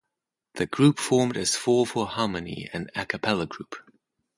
The group formed as Four For Harmony, an a cappella group.